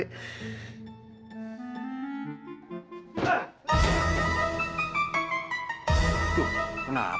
tuh kenapa itu anaknya